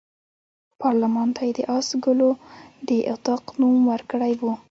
پارلمان ته یې د آس ګلو د اطاق نوم ورکړی وو.